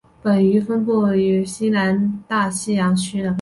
本鱼分布于西南大西洋区的巴西海域。